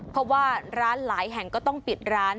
เพราะว่าร้านหลายแห่งก็ต้องปิดร้าน